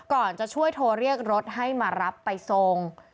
ก่อนจะช่วยโทรเรียกรถให้มารับไปส่ง